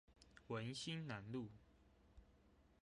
文心南路